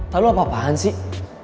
tahu lo apa apaan sih